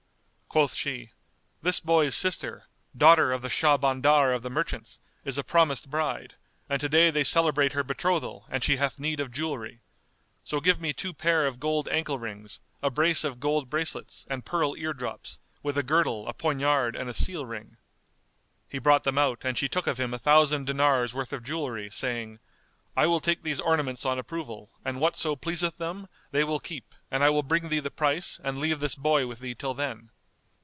Quoth she, "This boy's sister, daughter of the Shahbandar of the Merchants, is a promised bride, and to day they celebrate her betrothal; and she hath need of jewellery. So give me two pair of gold ankle rings, a brace of gold bracelets, and pearl ear drops, with a girdle, a poignard and a seal ring." He brought them out and she took of him a thousand dinars' worth of jewellery, saying, "I will take these ornaments on approval; and whatso pleaseth them, they will keep and I will bring thee the price and leave this boy with thee till then."